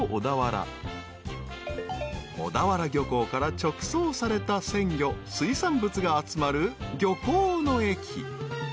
［小田原漁港から直送された鮮魚水産物が集まる漁港の駅］